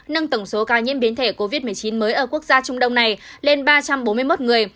nâng tổng số ca nhiễm biến thể covid một mươi chín mới ở quốc gia trung đông này lên ba trăm bốn mươi một người